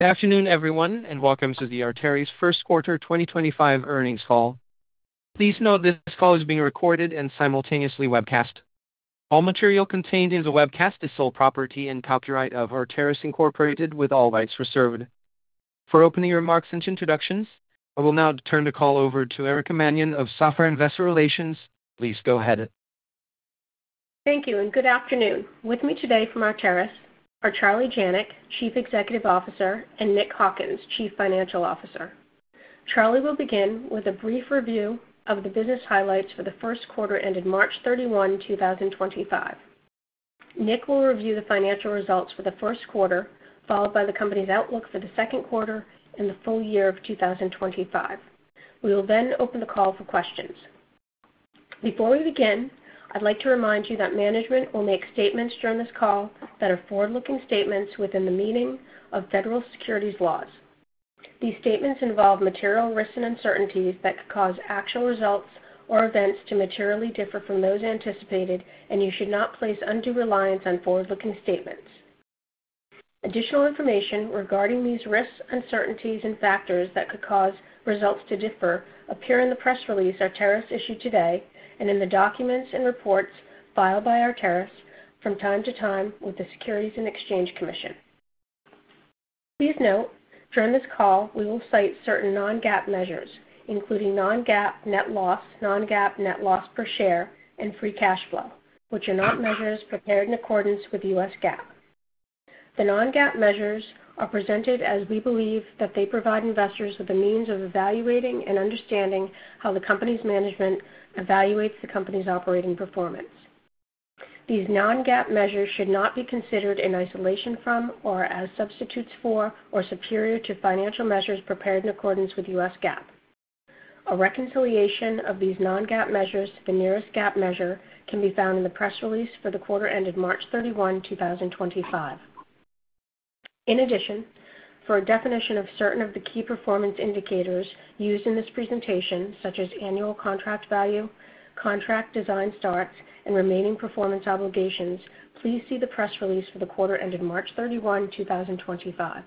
Good afternoon, everyone, and welcome to the Arteris Quarter 2025 Earnings Call. Please note this call is being recorded and simultaneously webcast. All material contained in the webcast is sole property and copyright of Arteris, with all rights reserved. For opening remarks and introductions, I will now turn the call over to Erica Mannion of Sapphire Investor Relations. Please go ahead. Thank you, and good afternoon. With me today from Arteris are Charlie Janac, Chief Executive Officer, and Nick Hawkins, Chief Financial Officer. Charlie will begin with a brief review of the business highlights for the first quarter ended March 31, 2025. Nick will review the financial results for the first quarter, followed by the company's outlook for the second quarter and the full year of 2025. We will then open the call for questions. Before we begin, I'd like to remind you that management will make statements during this call that are forward-looking statements within the meaning of federal securities laws. These statements involve material risks and uncertainties that could cause actual results or events to materially differ from those anticipated, and you should not place undue reliance on forward-looking statements. Additional information regarding these risks, uncertainties, and factors that could cause results to differ appears in the press release Arteris issued today and in the documents and reports filed by Arteris from time to time with the Securities and Exchange Commission. Please note, during this call, we will cite certain non-GAAP measures, including non-GAAP net loss, non-GAAP net loss per share, and free cash flow, which are not measures prepared in accordance with U.S. GAAP. The non-GAAP measures are presented as we believe that they provide investors with a means of evaluating and understanding how the company's management evaluates the company's operating performance. These non-GAAP measures should not be considered in isolation from or as substitutes for or superior to financial measures prepared in accordance with U.S. GAAP. A reconciliation of these non-GAAP measures to the nearest GAAP measure can be found in the press release for the quarter ended March 31, 2025. In addition, for a definition of certain of the key performance indicators used in this presentation, such as annual contract value, contract design starts, and remaining performance obligations, please see the press release for the quarter ended March 31, 2025.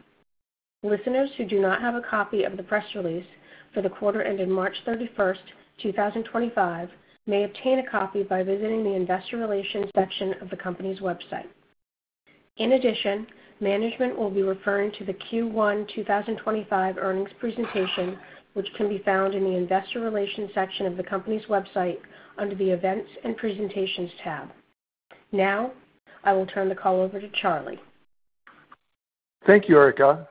Listeners who do not have a copy of the press release for the quarter ended March 31, 2025, may obtain a copy by visiting the Investor Relations section of the company's website. In addition, management will be referring to the Q1 2025 earnings presentation, which can be found in the Investor Relations section of the company's website under the Events and Presentations tab. Now, I will turn the call over to Charlie. Thank you, Erica,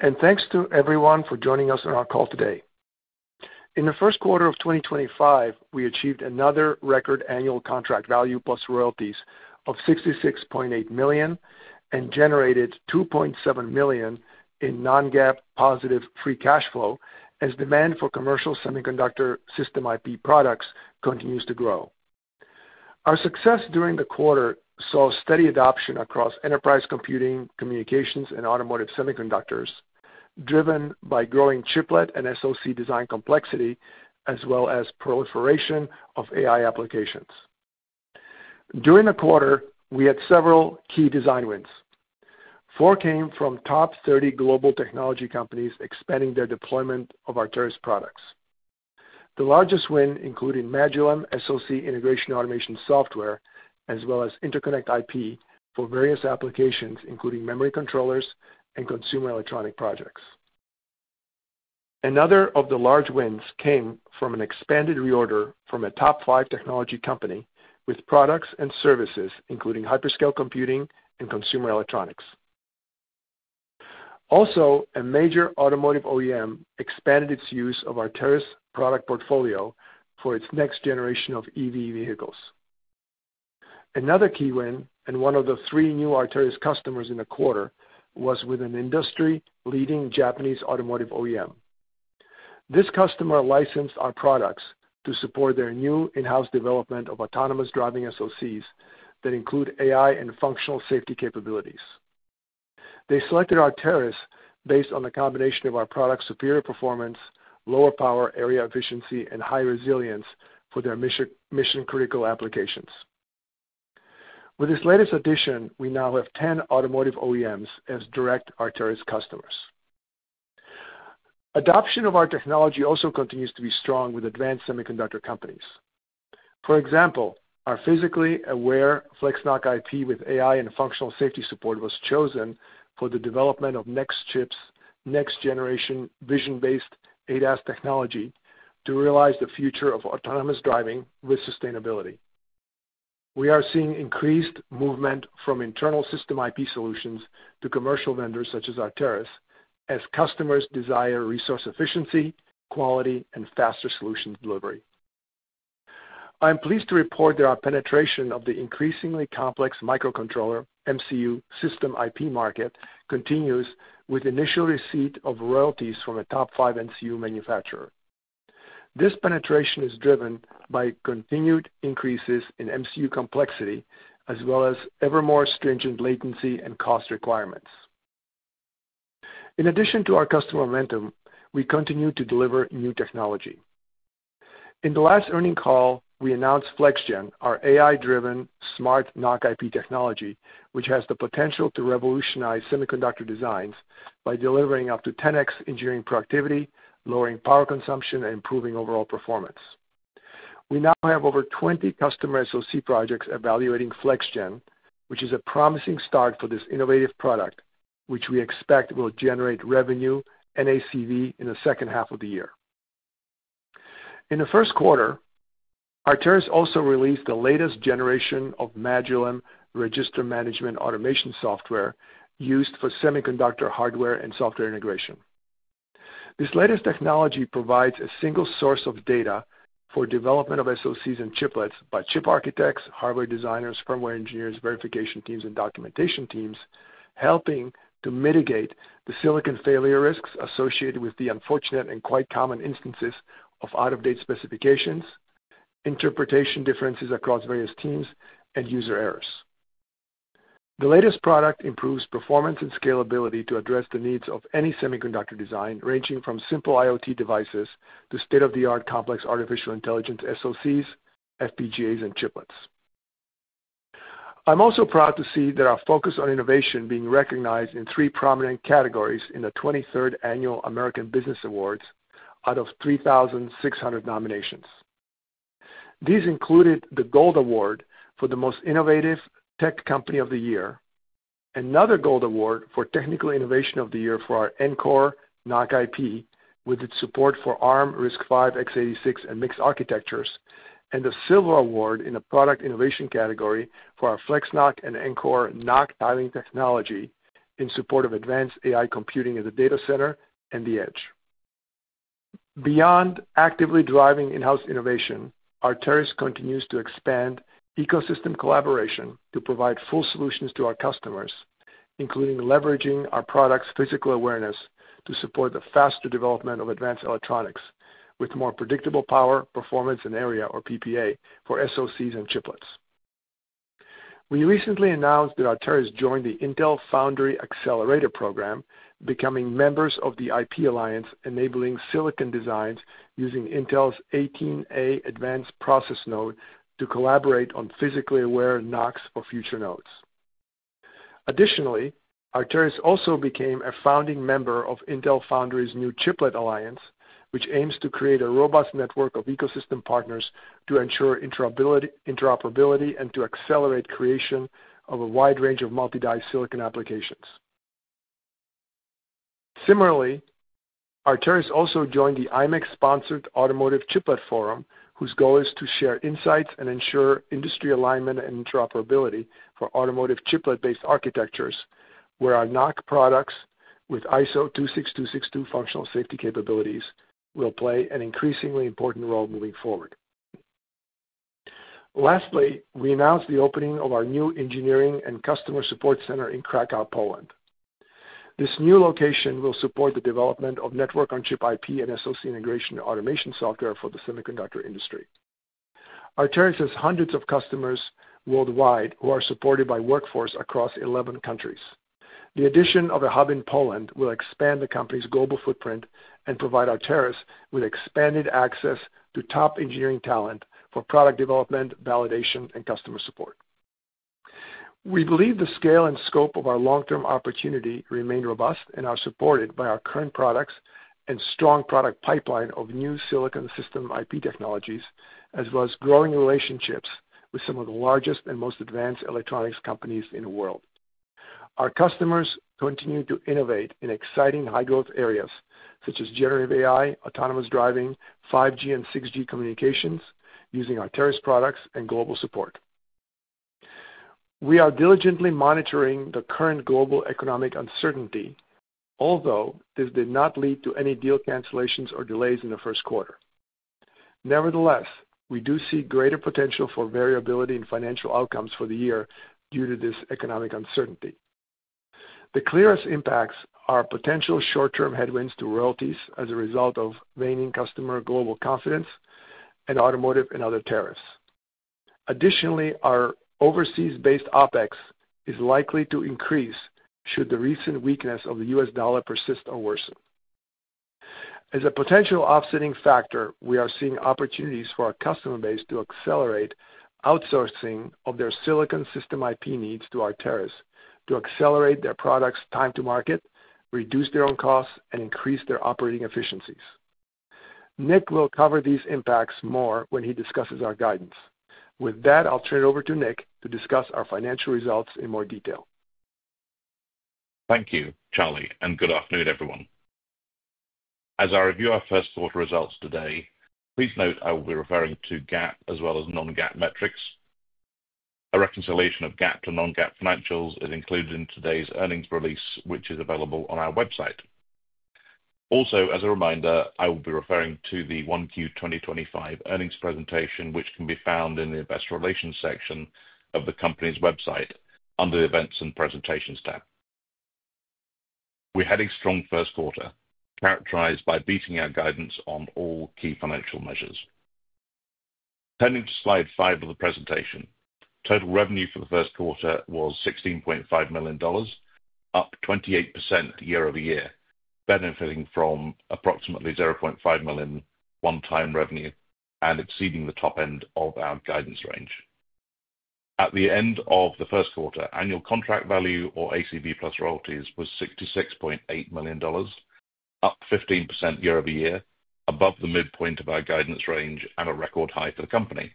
and thanks to everyone for joining us on our call today. In the first quarter of 2025, we achieved another record annual contract value plus royalties of $66.8 million and generated $2.7 million in non-GAAP positive free cash flow as demand for commercial semiconductor system IP products continues to grow. Our success during the quarter saw steady adoption across enterprise computing, communications, and automotive semiconductors, driven by growing chiplet and SoC design complexity, as well as proliferation of AI applications. During the quarter, we had several key design wins. Four came from top 30 global technology companies expanding their deployment of Arteris products. The largest win included Magillem SoC integration automation software, as well as interconnect IP for various applications, including memory controllers and consumer electronic projects. Another of the large wins came from an expanded reorder from a top five technology company with products and services, including hyperscale computing and consumer electronics. Also, a major automotive OEM expanded its use of Arteris product portfolio for its next generation of EV vehicles. Another key win, and one of the three new Arteris customers in the quarter, was with an industry-leading Japanese automotive OEM. This customer licensed our products to support their new in-house development of autonomous driving SoCs that include AI and functional safety capabilities. They selected Arteris based on the combination of our product's superior performance, lower power area efficiency, and high resilience for their mission-critical applications. With this latest addition, we now have 10 automotive OEMs as direct Arteris customers. Adoption of our technology also continues to be strong with advanced semiconductor companies. For example, our physically aware FlexNoC IP with AI and functional safety support was chosen for the development of next chips, next generation vision-based ADAS technology to realize the future of autonomous driving with sustainability. We are seeing increased movement from internal system IP solutions to commercial vendors such as Arteris as customers desire resource efficiency, quality, and faster solution delivery. I'm pleased to report that our penetration of the increasingly complex microcontroller MCU system IP market continues with initial receipt of royalties from a top five MCU manufacturer. This penetration is driven by continued increases in MCU complexity, as well as ever more stringent latency and cost requirements. In addition to our customer momentum, we continue to deliver new technology. In the last earning call, we announced FlexGen, our AI-driven smart NoC IP technology, which has the potential to revolutionize semiconductor designs by delivering up to 10x engineering productivity, lowering power consumption, and improving overall performance. We now have over 20 customer SoC projects evaluating FlexGen, which is a promising start for this innovative product, which we expect will generate revenue and ACV in the second half of the year. In the first quarter, Arteris also released the latest generation of Magillem register management automation software used for semiconductor hardware and software integration. This latest technology provides a single source of data for development of SoCs and chiplets by chip architects, hardware designers, firmware engineers, verification teams, and documentation teams, helping to mitigate the silicon failure risks associated with the unfortunate and quite common instances of out-of-date specifications, interpretation differences across various teams, and user errors. The latest product improves performance and scalability to address the needs of any semiconductor design, ranging from simple IoT devices to state-of-the-art complex artificial intelligence SoCs, FPGAs, and chiplets. I'm also proud to see that our focus on innovation being recognized in three prominent categories in the 23rd Annual American Business Awards out of 3,600 nominations. These included the Gold Award for the Most Innovative Tech Company of the Year, another Gold Award for Technical innovation of the Year for our Ncore NoC IP with its support for Arm, RISC-V, x86, and mixed architectures, and the Silver Award in the product innovation category for our FlexNoC and Ncore NoC dialing technology in support of advanced AI computing at the data center and the edge. Beyond actively driving in-house innovation, Arteris continues to expand ecosystem collaboration to provide full solutions to our customers, including leveraging our product's physical awareness to support the faster development of advanced electronics with more predictable power, performance, and area, or PPA, for SoCs and chiplets. We recently announced that Arteris joined the Intel Foundry Accelerator program, becoming members of the IP Alliance, enabling silicon designs using Intel's 18A advanced process node to collaborate on physically aware NoCs for future nodes. Additionally, Arteris also became a founding member of Intel Foundry's new Chiplet Alliance, which aims to create a robust network of ecosystem partners to ensure interoperability and to accelerate creation of a wide range of multi-die silicon applications. Similarly, Arteris also joined the Imec-sponsored Automotive Chiplet Forum, whose goal is to share insights and ensure industry alignment and interoperability for automotive chiplet-based architectures, where our NoC products with ISO 26262 functional safety capabilities will play an increasingly important role moving forward. Lastly, we announced the opening of our new engineering and customer support center in Kraków, Poland. This new location will support the development of network-on-chip IP and SoC integration automation software for the semiconductor industry. Arteris has hundreds of customers worldwide who are supported by workforce across 11 countries. The addition of a hub in Poland will expand the company's global footprint and provide Arteris with expanded access to top engineering talent for product development, validation, and customer support. We believe the scale and scope of our long-term opportunity remain robust and are supported by our current products and strong product pipeline of new silicon system IP technologies, as well as growing relationships with some of the largest and most advanced electronics companies in the world. Our customers continue to innovate in exciting high-growth areas such as generative AI, autonomous driving, 5G and 6G communications using Arteris products, and global support. We are diligently monitoring the current global economic uncertainty, although this did not lead to any deal cancellations or delays in the first quarter. Nevertheless, we do see greater potential for variability in financial outcomes for the year due to this economic uncertainty. The clearest impacts are potential short-term headwinds to royalties as a result of waning customer global confidence and automotive and other tariffs. Additionally, our overseas-based OpEx is likely to increase should the recent weakness of the U.S. dollar persist or worsen. As a potential offsetting factor, we are seeing opportunities for our customer base to accelerate outsourcing of their silicon system IP needs to Arteris to accelerate their products' time to market, reduce their own costs, and increase their operating efficiencies. Nick will cover these impacts more when he discusses our guidance. With that, I'll turn it over to Nick to discuss our financial results in more detail. Thank you, Charlie, and good afternoon, everyone. As I review our first quarter results today, please note I will be referring to GAAP as well as non-GAAP metrics. A reconciliation of GAAP to non-GAAP financials is included in today's earnings release, which is available on our website. Also, as a reminder, I will be referring to the Q1 2025 earnings presentation, which can be found in the Investor Relations section of the company's website under the Events and Presentations tab. We had a strong first quarter characterized by beating our guidance on all key financial measures. Turning to slide five of the presentation, total revenue for the first quarter was $16.5 million, up 28% year-over-year, benefiting from approximately $500,000 one-time revenue and exceeding the top end of our guidance range. At the end of the first quarter, annual contract value, or ACV plus royalties, was $66.8 million, up 15% year-over-year, above the midpoint of our guidance range and a record high for the company.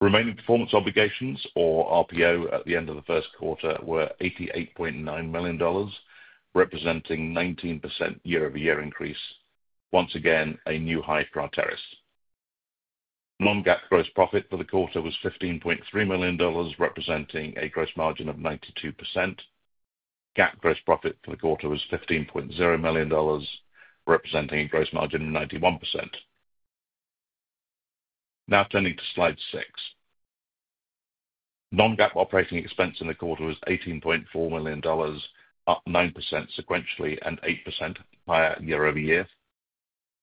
Remaining performance obligations, or RPO, at the end of the first quarter were $88.9 million, representing a 19% year-over-year increase, once again a new high for Arteris. Non-GAAP gross profit for the quarter was $15.3 million, representing a gross margin of 92%. GAAP gross profit for the quarter was $15.0 million, representing a gross margin of 91%. Now turning to slide six, non-GAAP operating expense in the quarter was $18.4 million, up 9% sequentially and 8% higher year-over-year,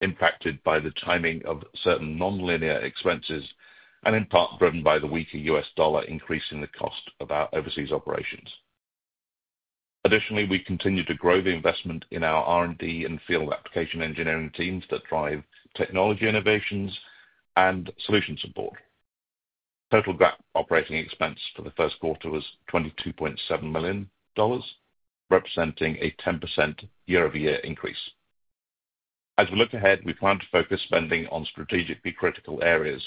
impacted by the timing of certain non-linear expenses and in part driven by the weaker U.S. dollar increasing the cost of our overseas operations. Additionally, we continue to grow the investment in our R&D and field application engineering teams that drive technology innovations and solution support. Total GAAP operating expense for the first quarter was $22.7 million, representing a 10% year-over-year increase. As we look ahead, we plan to focus spending on strategically critical areas,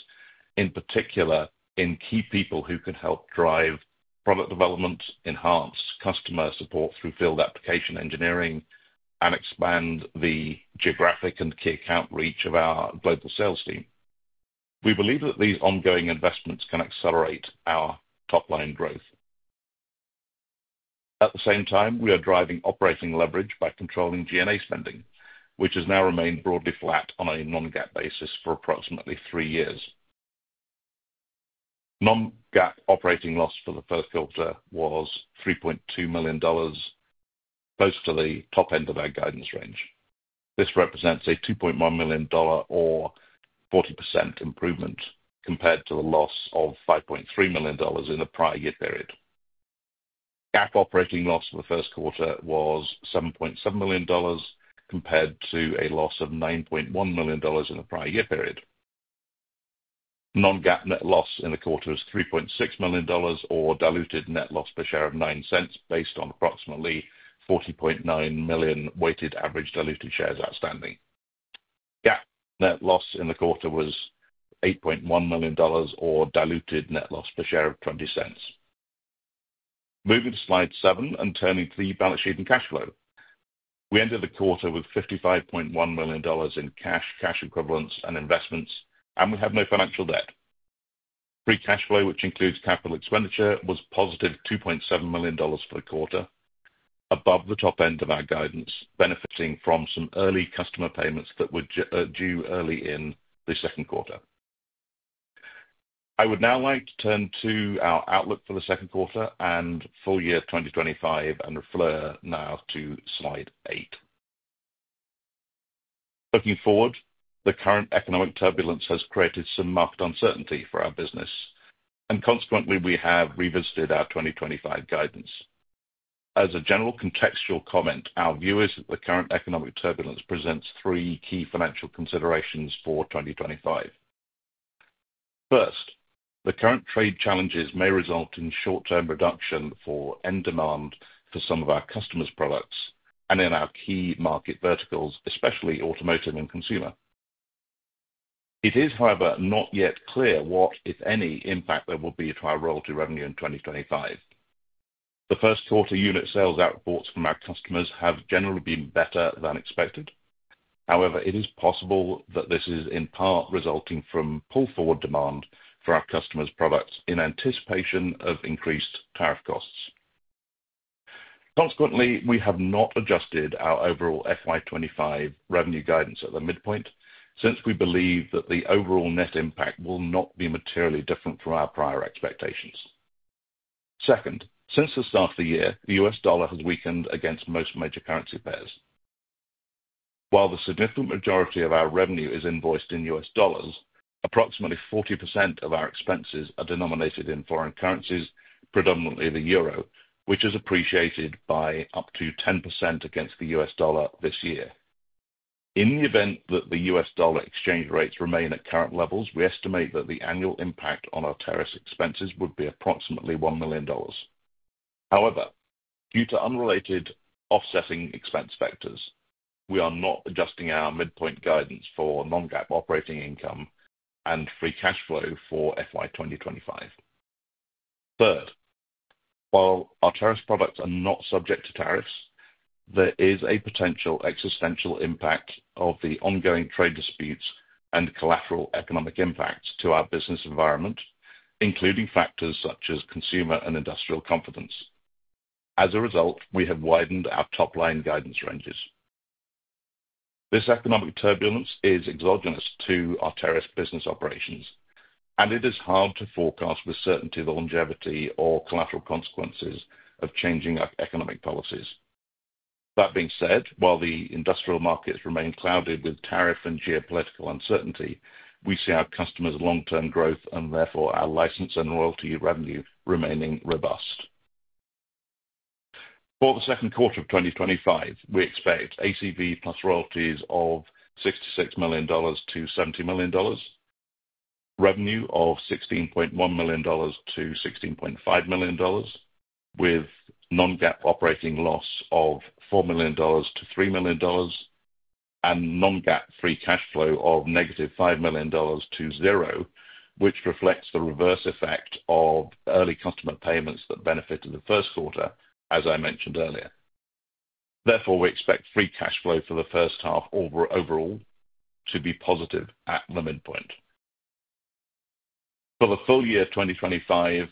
in particular in key people who can help drive product development, enhance customer support through field application engineering, and expand the geographic and key account reach of our global sales team. We believe that these ongoing investments can accelerate our top-line growth. At the same time, we are driving operating leverage by controlling G&A spending, which has now remained broadly flat on a non-GAAP basis for approximately three years. Non-GAAP operating loss for the first quarter was $3.2 million, close to the top end of our guidance range. This represents a $2.1 million or 40% improvement compared to the loss of $5.3 million in the prior year period. GAAP operating loss for the first quarter was $7.7 million compared to a loss of $9.1 million in the prior year period. Non-GAAP net loss in the quarter was $3.6 million or diluted net loss per share of $0.09 based on approximately 40.9 million weighted average diluted shares outstanding. GAAP net loss in the quarter was $8.1 million or diluted net loss per share of $0.20. Moving to slide seven and turning to the balance sheet and cash flow. We ended the quarter with $55.1 million in cash, cash equivalents, and investments, and we have no financial debt. Free cash flow, which includes capital expenditure, was positive $2.7 million for the quarter, above the top end of our guidance, benefiting from some early customer payments that were due early in the second quarter. I would now like to turn to our outlook for the second quarter and full year 2025 and refer now to slide eight. Looking forward, the current economic turbulence has created some marked uncertainty for our business, and consequently, we have revisited our 2025 guidance. As a general contextual comment, our view is that the current economic turbulence presents three key financial considerations for 2025. First, the current trade challenges may result in short-term reduction for end demand for some of our customers' products and in our key market verticals, especially automotive and consumer. It is, however, not yet clear what, if any, impact there will be to our royalty revenue in 2025. The first quarter unit sales outputs from our customers have generally been better than expected. However, it is possible that this is in part resulting from pull-forward demand for our customers' products in anticipation of increased tariff costs. Consequently, we have not adjusted our overall FY2025 revenue guidance at the midpoint since we believe that the overall net impact will not be materially different from our prior expectations. Second, since the start of the year, the US dollar has weakened against most major currency pairs. While the significant majority of our revenue is invoiced in US dollars, approximately 40% of our expenses are denominated in foreign currencies, predominantly the euro, which has appreciated by up to 10% against the U.S. dollar this year. In the event that the U.S. dollar exchange rates remain at current levels, we estimate that the annual impact on our tariff expenses would be approximately $1 million. However, due to unrelated offsetting expense factors, we are not adjusting our midpoint guidance for non-GAAP operating income and free cash flow for FY2025. Third, while our tariff products are not subject to tariffs, there is a potential existential impact of the ongoing trade disputes and collateral economic impacts to our business environment, including factors such as consumer and industrial confidence. As a result, we have widened our top-line guidance ranges. This economic turbulence is exogenous to our tariff business operations, and it is hard to forecast with certainty the longevity or collateral consequences of changing our economic policies. That being said, while the industrial markets remain clouded with tariff and geopolitical uncertainty, we see our customers' long-term growth and therefore our license and royalty revenue remaining robust. For the second quarter of 2025, we expect ACV plus royalties of $66 million-$70 million, revenue of $16.1 million-$16.5 million, with non-GAAP operating loss of $4 million-$3 million, and non-GAAP free cash flow of negative $5 million to zero, which reflects the reverse effect of early customer payments that benefited the first quarter, as I mentioned earlier. Therefore, we expect free cash flow for the first half overall to be positive at the midpoint. For the full year 2025,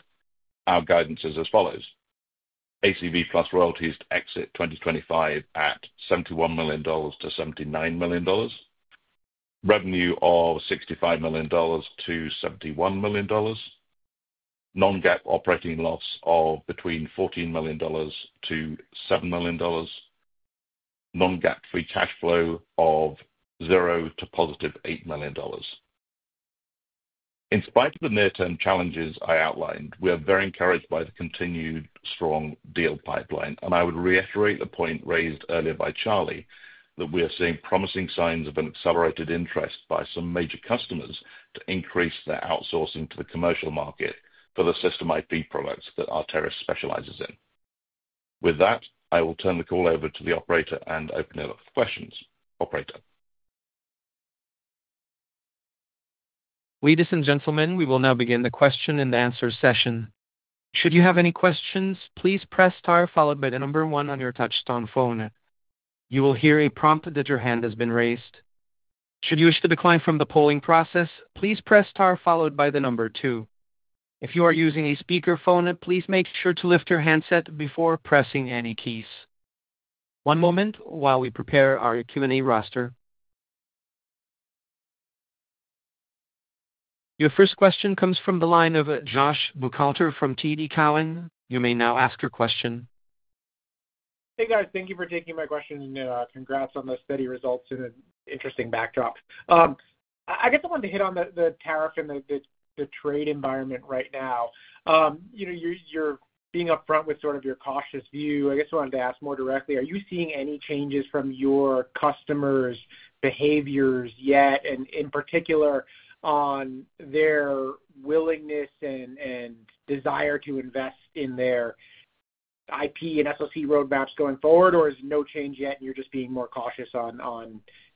our guidance is as follows: ACV plus royalties to exit 2025 at $71 million-$79 million, revenue of $65 million-$71 million, non-GAAP operating loss of between $14 million and $7 million, non-GAAP free cash flow of zero to positive $8 million. In spite of the near-term challenges I outlined, we are very encouraged by the continued strong deal pipeline, and I would reiterate the point raised earlier by Charlie that we are seeing promising signs of an accelerated interest by some major customers to increase their outsourcing to the commercial market for the system IP products that Arteris specializes in. With that, I will turn the call over to the operator and open it up for questions. Operator. Ladies and gentlemen, we will now begin the Q&A session. Should you have any questions, please press star followed by the number one on your touch-tone phone. You will hear a prompt that your hand has been raised. Should you wish to decline from the polling process, please press star followed by the number two. If you are using a speakerphone, please make sure to lift your handset before pressing any keys. One moment while we prepare our Q&A roster. Your first question comes from the line of Josh Buchalter from TD Cowen. You may now ask your question. Hey, guys. Thank you for taking my question. Congrats on the steady results and an interesting backdrop. I guess I wanted to hit on the tariff and the trade environment right now. You're being upfront with sort of your cautious view. I guess I wanted to ask more directly, are you seeing any changes from your customers' behaviors yet, and in particular on their willingness and desire to invest in their IP and SoC roadmaps going forward, or is no change yet and you're just being more cautious on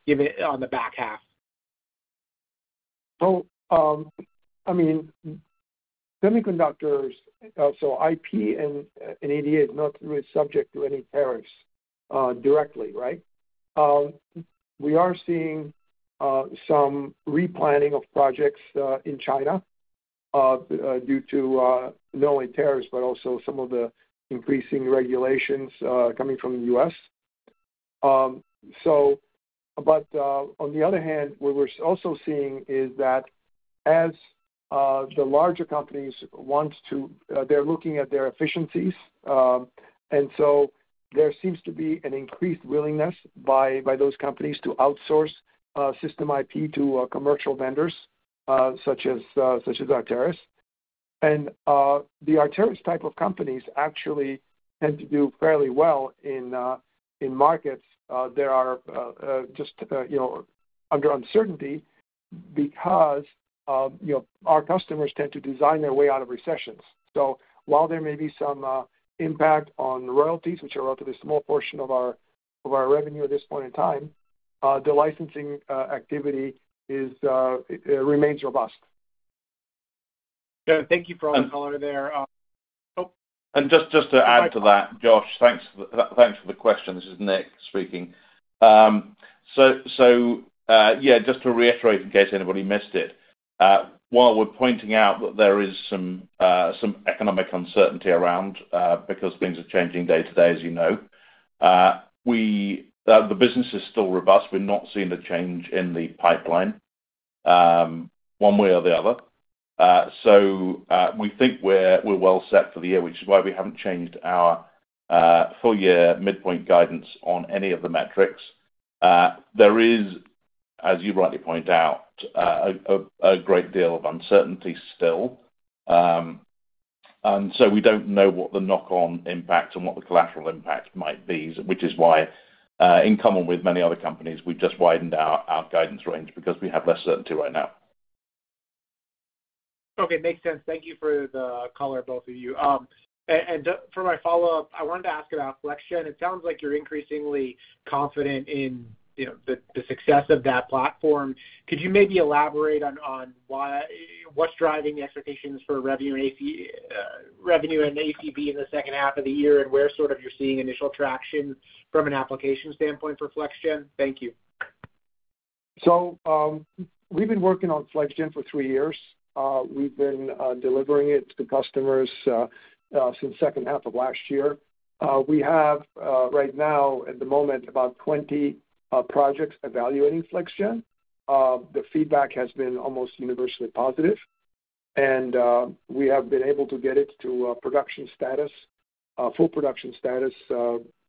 the back half? I mean, semiconductors, so IP and ADAS is not really subject to any tariffs directly, right? We are seeing some replanning of projects in China due to not only tariffs but also some of the increasing regulations coming from the U.S. On the other hand, what we're also seeing is that as the larger companies want to, they're looking at their efficiencies, and there seems to be an increased willingness by those companies to outsource system IP to commercial vendors such as Arteris. The Arteris type of companies actually tend to do fairly well in markets that are just under uncertainty because our customers tend to design their way out of recessions. While there may be some impact on royalties, which are a relatively small portion of our revenue at this point in time, the licensing activity remains robust. Thank you for all the color there. And just to add to that, Josh, thanks for the question. This is Nick speaking. So yeah, just to reiterate in case anybody missed it, while we're pointing out that there is some economic uncertainty around because things are changing day to day, as you know, the business is still robust. We're not seeing a change in the pipeline one way or the other. We think we're well set for the year, which is why we haven't changed our full year midpoint guidance on any of the metrics. There is, as you rightly point out, a great deal of uncertainty still. We don't know what the knock-on impact and what the collateral impact might be, which is why, in common with many other companies, we've just widened our guidance range because we have less certainty right now. Okay. Makes sense. Thank you for the color, both of you. For my follow-up, I wanted to ask about FlexGen. It sounds like you're increasingly confident in the success of that platform. Could you maybe elaborate on what's driving the expectations for revenue and ACV in the second half of the year and where sort of you're seeing initial traction from an application standpoint for FlexGen? Thank you. We have been working on FlexGen for three years. We have been delivering it to customers since the second half of last year. We have right now, at the moment, about 20 projects evaluating FlexGen. The feedback has been almost universally positive, and we have been able to get it to full production status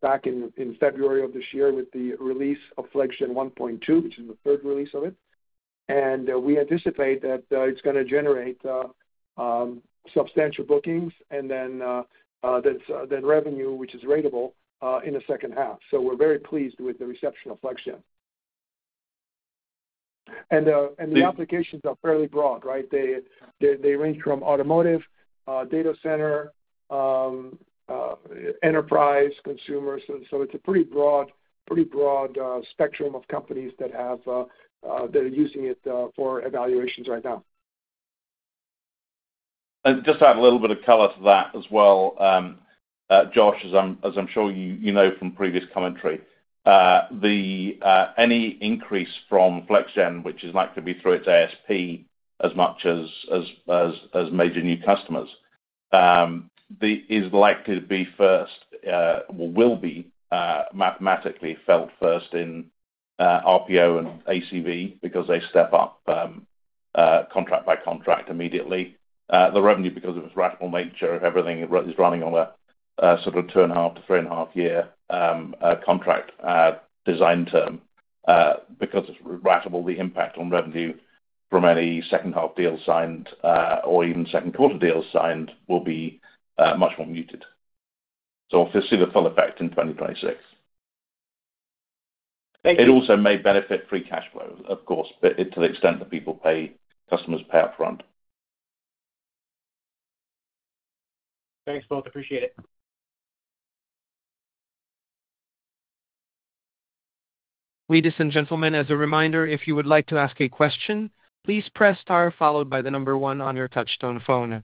back in February of this year with the release of FlexGen 1.2, which is the third release of it. We anticipate that it is going to generate substantial bookings and then revenue, which is ratable, in the second half. We are very pleased with the reception of FlexGen. The applications are fairly broad, right? They range from automotive, data center, enterprise, consumer. It is a pretty broad spectrum of companies that are using it for evaluations right now. Just to have a little bit of color to that as well, Josh, as I'm sure you know from previous commentary, any increase from FlexGen, which is likely to be through its ISP as much as major new customers, is likely to be first or will be mathematically felt first in RPO and ACV because they step up contract by contract immediately. The revenue, because of its rational nature of everything, is running on a sort of two and a half to three and a half year contract design term because it's rational. The impact on revenue from any second-half deal signed or even second-quarter deal signed will be much more muted. We will see the full effect in 2026. Thank you. It also may benefit free cash flow, of course, but to the extent that customers pay upfront. Thanks, both. Appreciate it. Ladies and gentlemen, as a reminder, if you would like to ask a question, please press star followed by the number one on your touch-tone phone.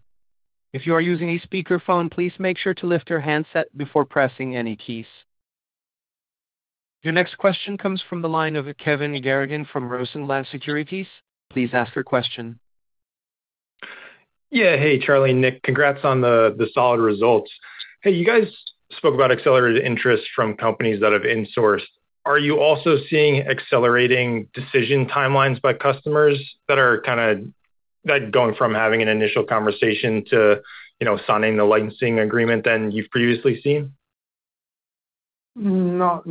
If you are using a speakerphone, please make sure to lift your handset before pressing any keys. Your next question comes from the line of Kevin Garrigan from Rosenblatt Securities. Please ask your question. Yeah. Hey, Charlie, Nick, congrats on the solid results. Hey, you guys spoke about accelerated interest from companies that have insourced. Are you also seeing accelerating decision timelines by customers that are kind of going from having an initial conversation to signing the licensing agreement than you've previously seen? Not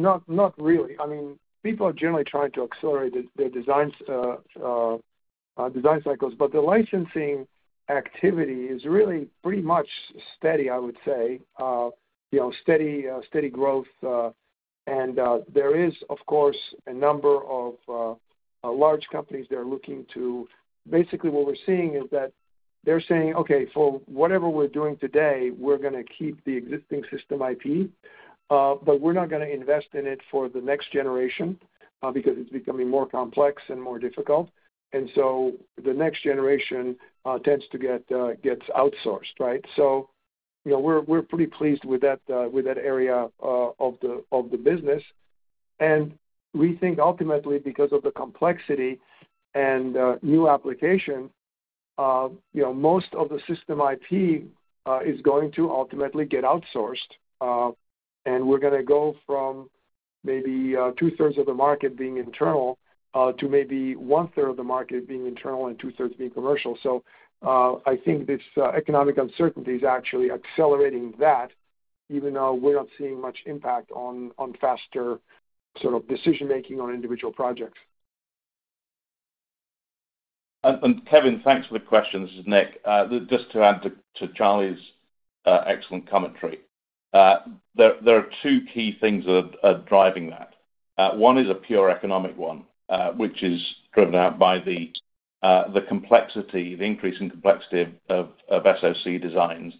really. I mean, people are generally trying to accelerate their design cycles, but the licensing activity is really pretty much steady, I would say. Steady growth. There is, of course, a number of large companies that are looking to basically what we're seeing is that they're saying, "Okay, for whatever we're doing today, we're going to keep the existing system IP, but we're not going to invest in it for the next generation because it's becoming more complex and more difficult." The next generation tends to get outsourced, right? We are pretty pleased with that area of the business. We think ultimately, because of the complexity and new application, most of the system IP is going to ultimately get outsourced. We are going to go from maybe two-thirds of the market being internal to maybe one-third of the market being internal and two-thirds being commercial. I think this economic uncertainty is actually accelerating that, even though we're not seeing much impact on faster sort of decision-making on individual projects. Kevin, thanks for the question. This is Nick. Just to add to Charlie's excellent commentary, there are two key things that are driving that. One is a pure economic one, which is driven out by the complexity, the increasing complexity of SoC designs.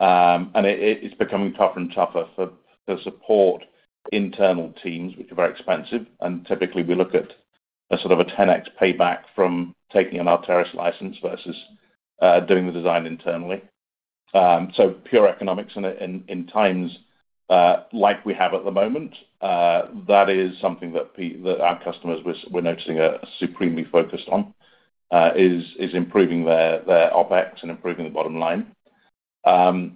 It's becoming tougher and tougher to support internal teams, which are very expensive. Typically, we look at sort of a 10x payback from taking an Arteris license versus doing the design internally. Pure economics in times like we have at the moment, that is something that our customers we're noticing are supremely focused on, is improving their OpEx and improving the bottom line. The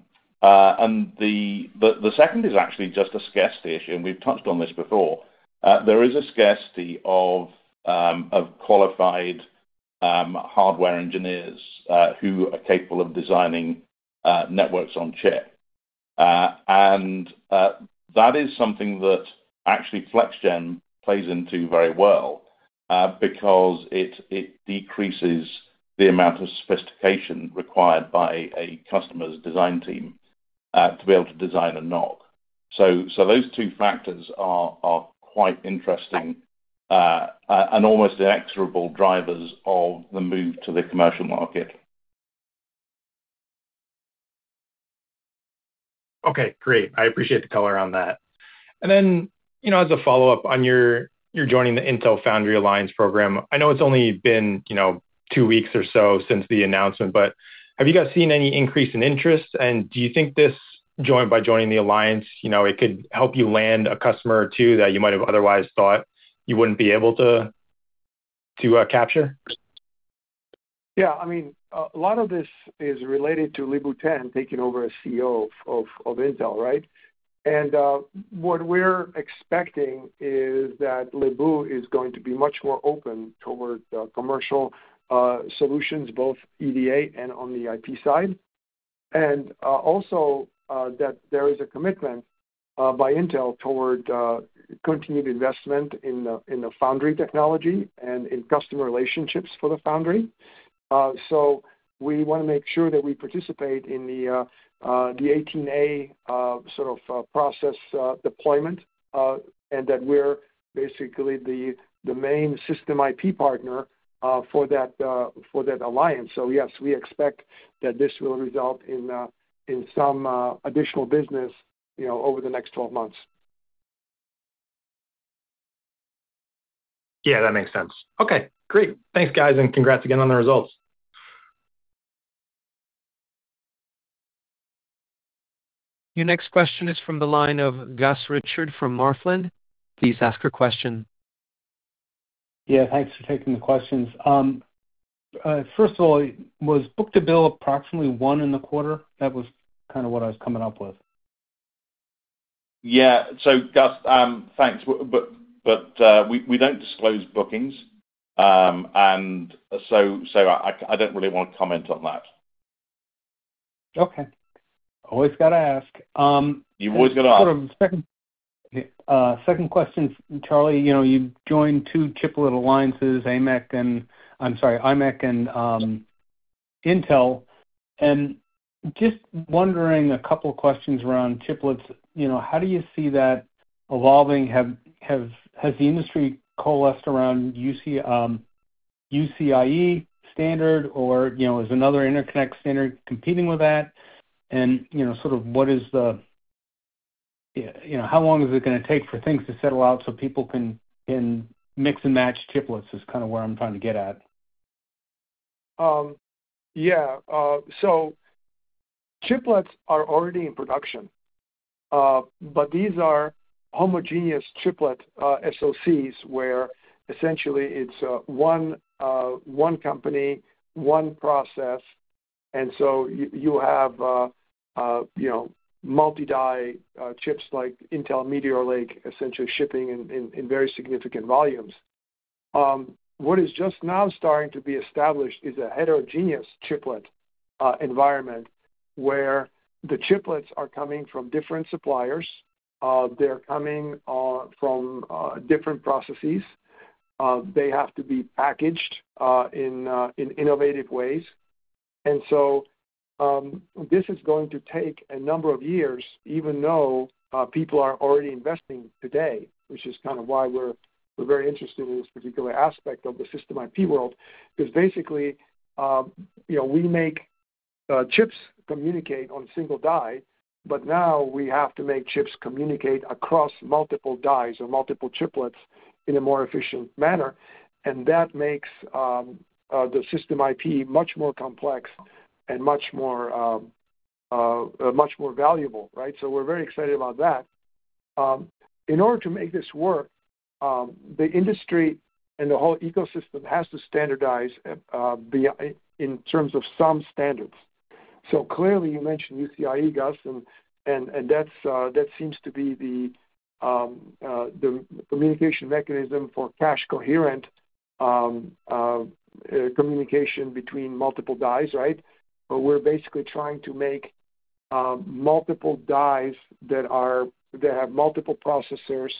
second is actually just a scarcity issue. We've touched on this before. There is a scarcity of qualified hardware engineers who are capable of designing networks on chip. That is something that actually FlexGen plays into very well because it decreases the amount of sophistication required by a customer's design team to be able to design a knob. Those two factors are quite interesting and almost inexorable drivers of the move to the commercial market. Okay. Great. I appreciate the color on that. As a follow-up on your joining the Intel Foundry Alliance program, I know it's only been two weeks or so since the announcement, but have you guys seen any increase in interest? Do you think this, by joining the alliance, could help you land a customer or two that you might have otherwise thought you would not be able to capture? Yeah. I mean, a lot of this is related to Lip-Bu Tan taking over as CEO of Intel, right? What we're expecting is that Lip-Bu is going to be much more open toward commercial solutions, both EDA and on the IP side. Also, there is a commitment by Intel toward continued investment in the foundry technology and in customer relationships for the foundry. We want to make sure that we participate in the 18A sort of process deployment and that we're basically the main system IP partner for that alliance. Yes, we expect that this will result in some additional business over the next 12 months. Yeah, that makes sense. Okay. Great. Thanks, guys. And congrats again on the results. Your next question is from the line of Gus Richard from Northland. Please ask your question. Yeah. Thanks for taking the questions. First of all, was book to bill approximately one and a quarter? That was kind of what I was coming up with. Yeah. Gus, thanks. We don't disclose bookings. I don't really want to comment on that. Okay. Always got to ask. You've always got to ask. Second question, Charlie, you joined two chiplet alliances, IMEC and, I'm sorry, IMEC and Intel. Just wondering, a couple of questions around chiplets. How do you see that evolving? Has the industry coalesced around UCIe standard, or is another interconnect standard competing with that? What is the, how long is it going to take for things to settle out so people can mix and match chiplets is kind of where I'm trying to get at. Yeah. Chiplets are already in production, but these are homogeneous chiplet SoCs where essentially it is one company, one process. You have multi-die chips like Intel Meteor Lake essentially shipping in very significant volumes. What is just now starting to be established is a heterogeneous chiplet environment where the chiplets are coming from different suppliers. They are coming from different processes. They have to be packaged in innovative ways. This is going to take a number of years, even though people are already investing today, which is kind of why we are very interested in this particular aspect of the system IP world because basically we make chips communicate on a single die, but now we have to make chips communicate across multiple dies or multiple chiplets in a more efficient manner. That makes the system IP much more complex and much more valuable, right? We're very excited about that. In order to make this work, the industry and the whole ecosystem has to standardize in terms of some standards. Clearly, you mentioned UCIe, Gus, and that seems to be the communication mechanism for cache-coherent communication between multiple dies, right? We're basically trying to make multiple dies that have multiple processors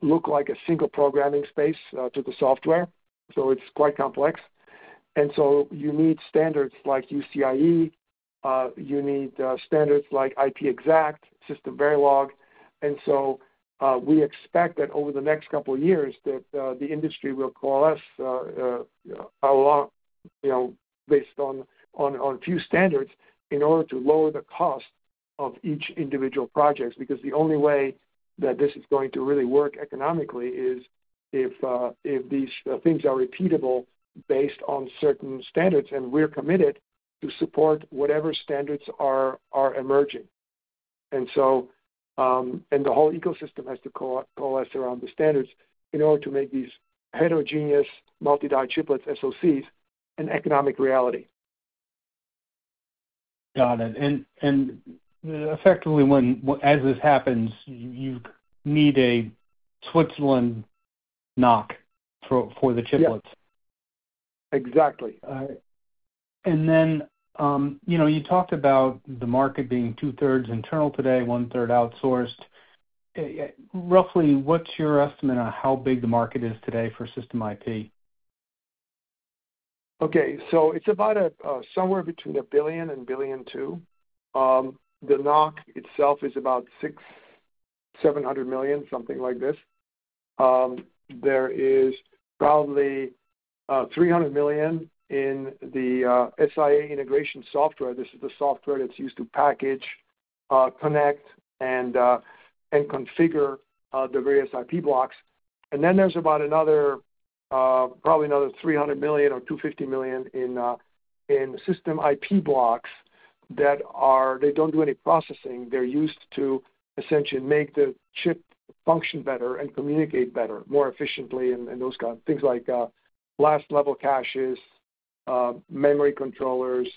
look like a single programming space to the software. It's quite complex. You need standards like UCIe. You need standards like IP Exact, SystemVerilog. We expect that over the next couple of years the industry will coalesce based on a few standards in order to lower the cost of each individual project because the only way that this is going to really work economically is if these things are repeatable based on certain standards. We're committed to support whatever standards are emerging. The whole ecosystem has to coalesce around the standards in order to make these heterogeneous multi-die chiplets SoCs an economic reality. Got it. And effectively, as this happens, you need a Switzerland NoC for the chiplets. Yeah. Exactly. You talked about the market being two-thirds internal today, one-third outsourced. Roughly, what's your estimate on how big the market is today for system IP? Okay. So it's about somewhere between $1 billion and $1.2 billion. The NoC itself is about $700 million, something like this. There is probably $300 million in the SoC integration software. This is the software that's used to package, connect, and configure the various IP blocks. Then there's about probably another $300 million or $250 million in system IP blocks that do not do any processing. They're used to essentially make the chip function better and communicate better, more efficiently, and those kinds of things like last-level caches, memory controllers,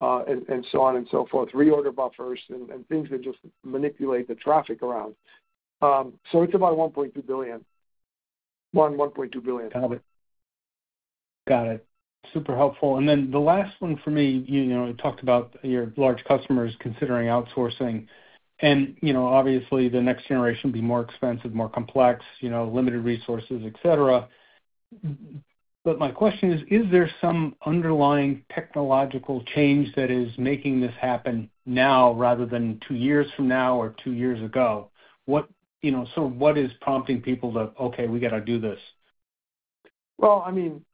and so on and so forth, reorder buffers, and things that just manipulate the traffic around. It's about $1.2 billion. $1.2 billion. Got it. Got it. Super helpful. The last one for me, you talked about your large customers considering outsourcing. Obviously, the next generation will be more expensive, more complex, limited resources, etc. My question is, is there some underlying technological change that is making this happen now rather than two years from now or two years ago? What is prompting people to, "Okay, we got to do this"? I mean,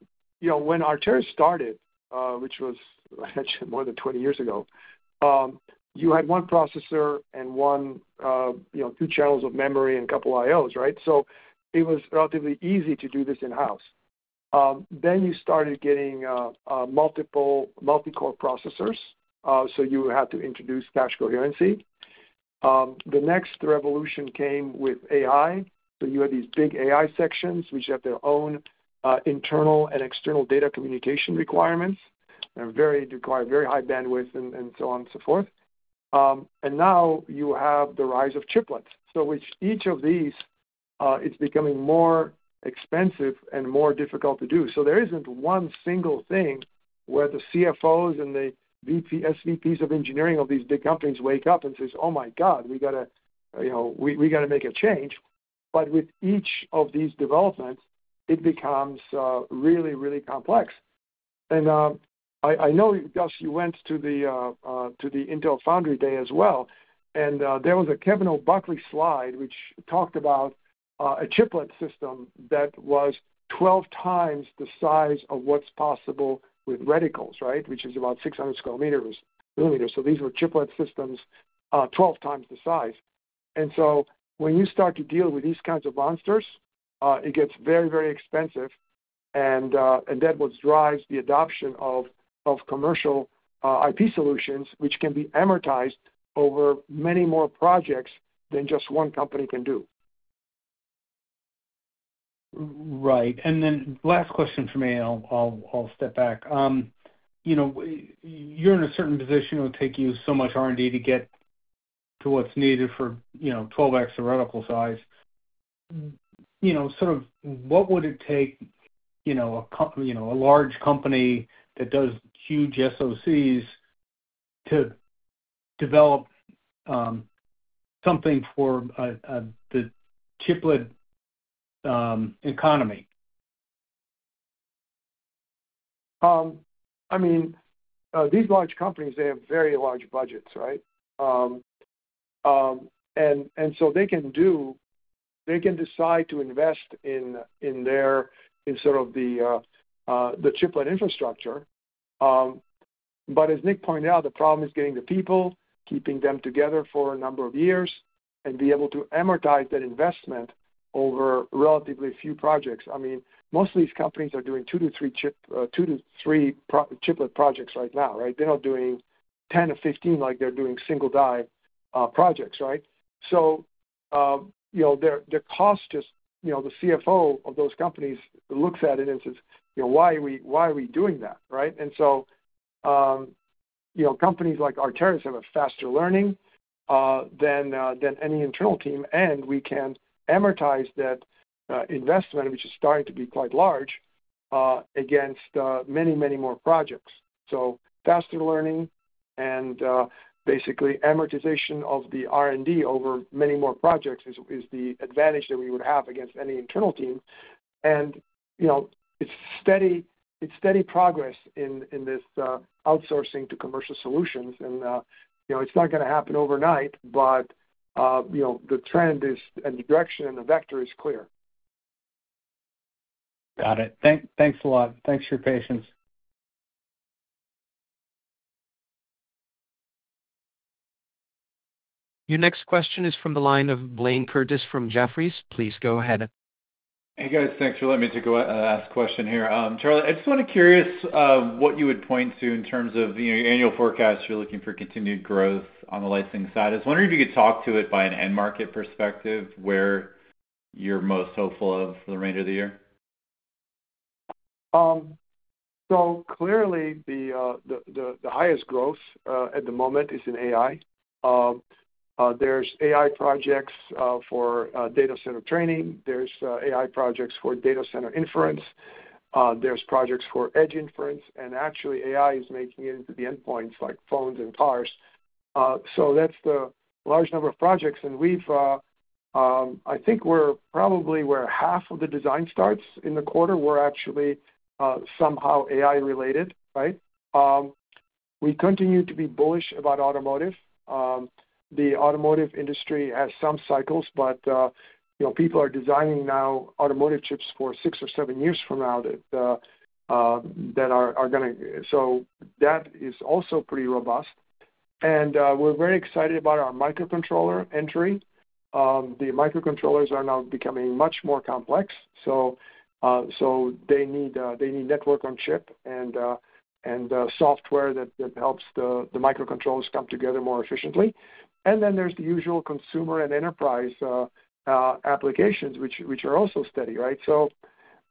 when Arteris started, which was more than 20 years ago, you had one processor and two channels of memory and a couple of IOs, right? It was relatively easy to do this in-house. Then you started getting multi-core processors. You had to introduce cache coherency. The next revolution came with AI. You had these big AI sections, which have their own internal and external data communication requirements. They require very high bandwidth and so on and so forth. Now you have the rise of chiplets. With each of these, it is becoming more expensive and more difficult to do. There is not one single thing where the CFOs and the SVPs of engineering of these big companies wake up and say, "Oh my God, we got to make a change." With each of these developments, it becomes really, really complex. I know, Gus, you went to the Intel Foundry Day as well. There was a Kevin O'Buckley slide which talked about a chiplet system that was 12 times the size of what's possible with reticles, right, which is about 600 sq mm. These were chiplet systems 12 times the size. When you start to deal with these kinds of monsters, it gets very, very expensive. That is what drives the adoption of commercial IP solutions, which can be amortized over many more projects than just one company can do. Right. Last question for me, and I'll step back. You're in a certain position. It would take you so much R&D to get to what's needed for 12x the reticle size. Sort of what would it take a large company that does huge SoCs to develop something for the chiplet economy? I mean, these large companies, they have very large budgets, right? They can decide to invest in sort of the chiplet infrastructure. As Nick pointed out, the problem is getting the people, keeping them together for a number of years, and be able to amortize that investment over relatively few projects. I mean, most of these companies are doing two to three chiplet projects right now, right? They're not doing 10 or 15 like they're doing single-die projects, right? The cost, just the CFO of those companies looks at it and says, "Why are we doing that?" Companies like Arteris have a faster learning than any internal team. We can amortize that investment, which is starting to be quite large, against many, many more projects. Faster learning and basically amortization of the R&D over many more projects is the advantage that we would have against any internal team. It is steady progress in this outsourcing to commercial solutions. It is not going to happen overnight, but the trend and the direction and the vector is clear. Got it. Thanks a lot. Thanks for your patience. Your next question is from the line of Blayne Curtis from Jefferies. Please go ahead. Hey, guys. Thanks for letting me take the last question here. Charlie, I just want to be curious what you would point to in terms of your annual forecast. You're looking for continued growth on the licensing side. I was wondering if you could talk to it by an end market perspective where you're most hopeful of for the remainder of the year. Clearly, the highest growth at the moment is in AI. There are AI projects for data center training. There are AI projects for data center inference. There are projects for edge inference. Actually, AI is making it into the endpoints like phones and cars. That is a large number of projects. I think probably about half of the design starts in the quarter were actually somehow AI-related, right? We continue to be bullish about automotive. The automotive industry has some cycles, but people are designing now automotive chips for six or seven years from now that are going to, so that is also pretty robust. We are very excited about our microcontroller entry. The microcontrollers are now becoming much more complex, so they need network on chip and software that helps the microcontrollers come together more efficiently. There are the usual consumer and enterprise applications, which are also steady, right?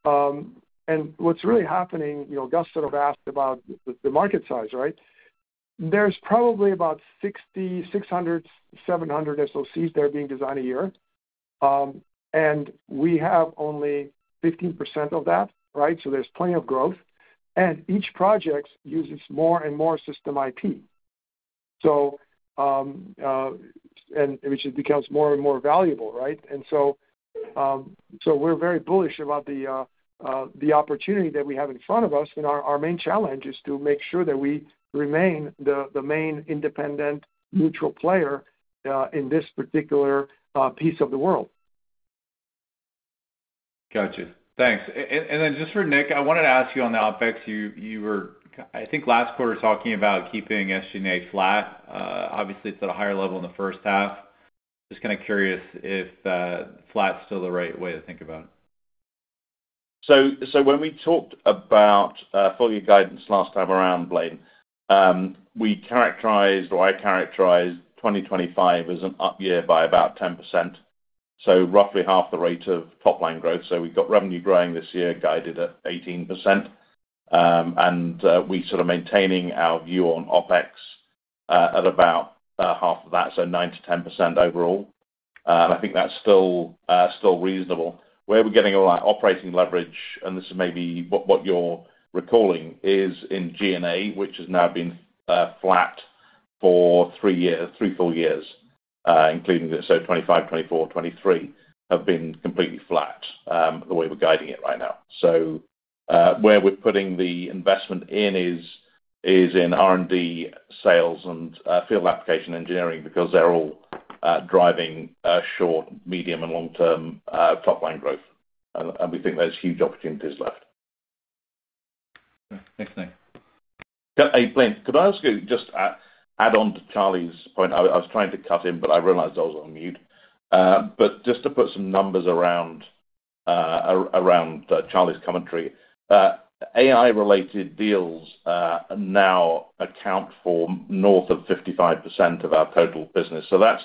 What is really happening, Gus sort of asked about the market size, right? There are probably about 600-700 SoCs that are being designed a year. We have only 15% of that, right? There is plenty of growth. Each project uses more and more system IP, which becomes more and more valuable, right? We are very bullish about the opportunity that we have in front of us. Our main challenge is to make sure that we remain the main independent neutral player in this particular piece of the world. Gotcha. Thanks. Just for Nick, I wanted to ask you on the OpEx. You were, I think, last quarter talking about keeping SG&A flat. Obviously, it is at a higher level in the first half. Just kind of curious if flat is still the right way to think about it. When we talked about full-year guidance last time around, Blayne, we characterized or I characterized 2025 as an up year by about 10%. Roughly half the rate of top-line growth. We have revenue growing this year guided at 18%. We are sort of maintaining our view on OpEx at about half of that, so 9-10% overall. I think that is still reasonable. Where we are getting all our operating leverage, and this is maybe what you are recalling, is in G&A, which has now been flat for three full years, including 2025, 2024, 2023 have been completely flat the way we are guiding it right now. Where we are putting the investment in is in R&D, sales, and field application engineering because they are all driving short, medium, and long-term top-line growth. We think there are huge opportunities left. Thanks, Nick. Hey, Blayne, could I ask you just add on to Charlie's point? I was trying to cut in, but I realized I was on mute. Just to put some numbers around Charlie's commentary, AI-related deals now account for north of 55% of our total business. That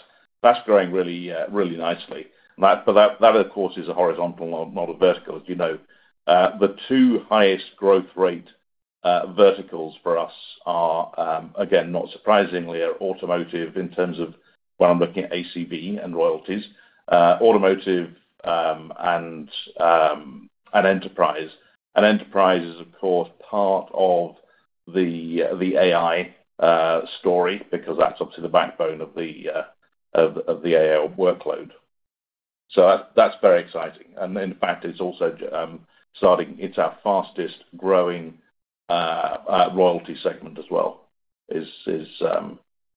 is growing really nicely. That, of course, is a horizontal, not a vertical, as you know. The two highest growth rate verticals for us are, again, not surprisingly, automotive in terms of when I'm looking at ACV and royalties, automotive and enterprise. Enterprise is, of course, part of the AI story because that is obviously the backbone of the AI workload. That is very exciting. In fact, it is also starting, it is our fastest growing royalty segment as well, is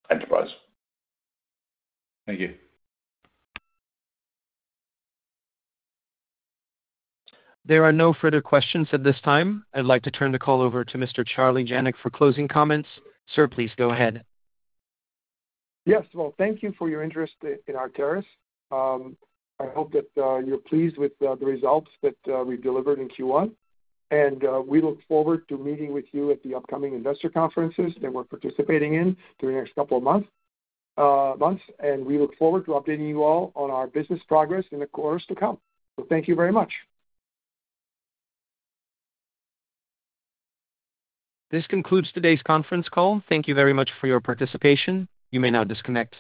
enterprise. Thank you. There are no further questions at this time. I'd like to turn the call over to Mr. Charlie Janac for closing comments. Sir, please go ahead. Thank you for your interest in Arteris. I hope that you're pleased with the results that we've delivered in Q1. We look forward to meeting with you at the upcoming investor conferences that we're participating in through the next couple of months. We look forward to updating you all on our business progress in the quarters to come. Thank you very much. This concludes today's conference call. Thank you very much for your participation. You may now disconnect.